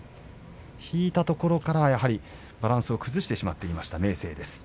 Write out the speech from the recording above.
引いたところからバランスを崩してしまっていた明生です。